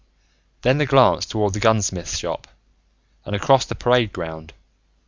then the glance toward the gunsmith's shop, and across the parade ground ...